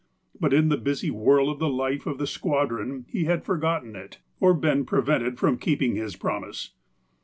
But in the busy whirl of the life of the squadron he had forgotten it, or been prevented from keeping his promise.